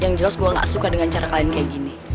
yang jelas gue gak suka dengan cara kalian kayak gini